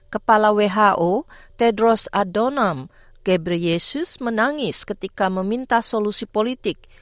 kepala who tedros adhanom ghebreyesus menangis ketika meminta solusi politik